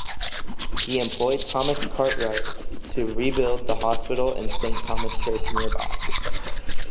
He employed Thomas Cartwright to rebuild the hospital and Saint Thomas Church nearby.